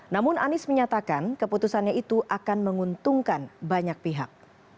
namun anies menyatakan keputusannya itu akan menguntungkan banyak pihak